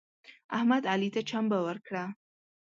احمد علي ته چمبه ورکړه.